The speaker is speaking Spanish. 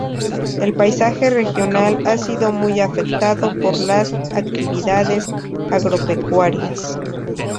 El paisaje regional ha sido muy afectado por las actividades agropecuarias.